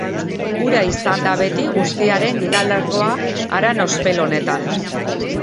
Ura izan da beti guztiaren gidalerroa haran ospel honetan.